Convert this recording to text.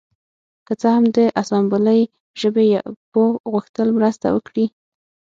که څه هم د اسامبلۍ ژبې پوه غوښتل مرسته وکړي